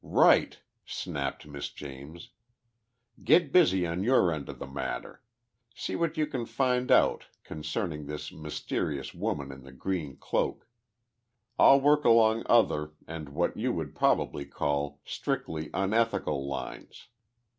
"Right!" snapped Miss James. "Get busy on your end of the matter. See what you can find out concerning this mysterious woman in the green cloak. I'll work along other and what you would probably call strictly unethical lines.